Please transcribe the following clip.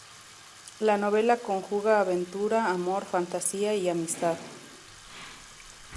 La novela conjuga aventura, amor, fantasía y amistad.